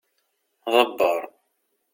Ḍebbeṛ.